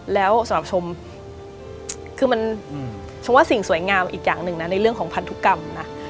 แล้วสำหรับชมคือมันชมว่าสิ่งสวยงามอีกอย่างหนึ่งนะในเรื่องของพันธุกรรมนะ